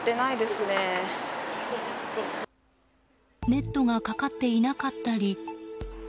ネットがかかっていなかったり